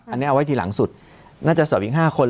อันนี้เอาไว้ทีหลังสุดน่าจะสอบอีก๕คน